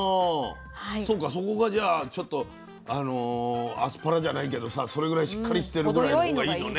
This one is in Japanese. そうかそこがじゃあちょっとあのアスパラじゃないけどさそれぐらいしっかりしてるぐらいの方がいいのね。